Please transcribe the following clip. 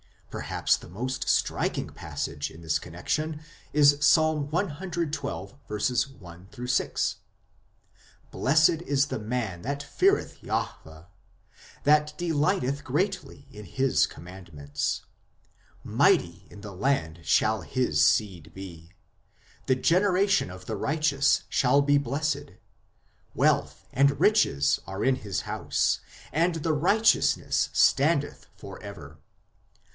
Perhaps the most striking passage in this connexion is Ps. cxii. 1 6 :" Blessed is the man that feareth Jahwe, that delighteth greatly in His commandments. Mighty in the land shall his seed be ; the generation of the righteous shall be blessed. Wealth and riches are in his house, and his righteousness standeth for ever.